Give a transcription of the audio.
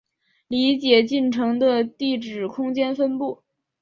理解进程的地址空间分布